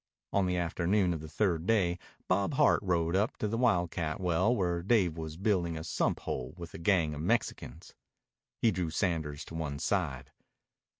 On the afternoon of the third day Bob Hart rode up to the wildcat well where Dave was building a sump hole with a gang of Mexicans. He drew Sanders to one side.